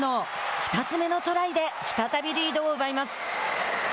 ２つ目のトライで再びリードを奪います。